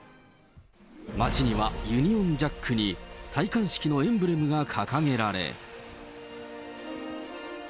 街にはユニオンジャックに、戴冠式のエンブレムが掲げられ。